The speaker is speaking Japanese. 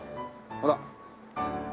ほら。